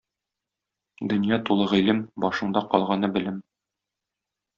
Дөнья тулы гыйлем, башыңда калганы белем.